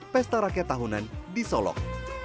pesta rakyat tahunan di solok